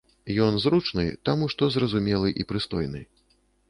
Ён зручны, таму што зразумелы і прыстойны.